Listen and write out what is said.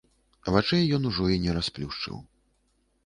Вачэй ён ужо і не расплюшчыў.